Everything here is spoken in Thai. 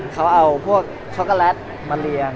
เขาเอาพวกช็อกโกแลตมาเรียง